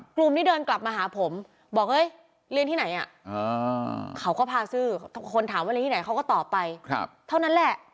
กลุ่มนี้เดินกลับมาหาผมบอกเรียนที่ไหน